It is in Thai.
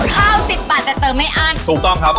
ข้าวสิบบาทแต่เติมไม่อั้นถูกต้องครับ